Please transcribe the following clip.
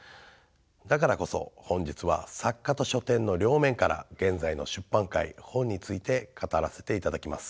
だからこそ本日は作家と書店の両面から現在の出版界本について語らせていただきます。